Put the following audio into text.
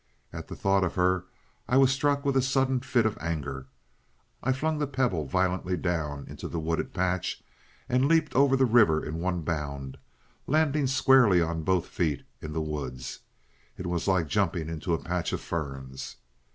At the thought of her I was struck with a sudden fit of anger. I flung the pebble violently down into the wooded patch and leaped over the river in one bound, landing squarely on both feet in the woods. It was like jumping into a patch of ferns.